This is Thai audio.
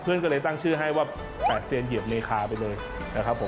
ก็เลยตั้งชื่อให้ว่า๘เซียนเหยียบเมคาไปเลยนะครับผม